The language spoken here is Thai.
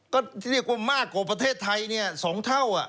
ก็ที่เรียกว่ามากกว่าประเทศไทยเนี่ย๒เท่า